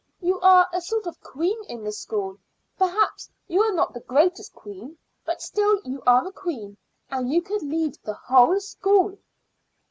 You are a sort of queen in the school. Perhaps you are not the greatest queen, but still you are a queen, and you could lead the whole school."